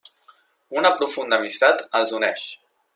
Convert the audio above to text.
Una profunda amistat els uneix.